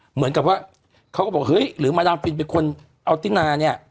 เหมือนกับว่าเขาก็บอกเฮ้ยหรือมาดามฟินเป็นคนเอาตินาเนี่ย